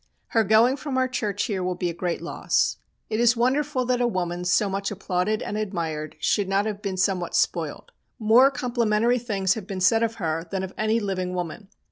Her going from our church here will be a great loss. It is wonderful that a woman so much applauded and admired should not have been somewhat spoiled. More complimentary things have been said of her than of any living woman.